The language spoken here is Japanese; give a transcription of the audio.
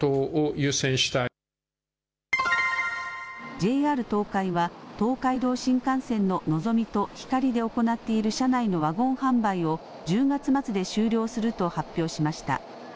ＪＲ東海は、東海道新幹線ののぞみとひかりで行っている車内のワゴン販売を１０月末で終了すると発表しました。